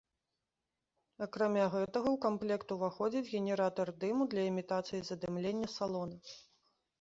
Акрамя гэтага ў камплект уваходзіць генератар дыму для імітацыі задымлення салона.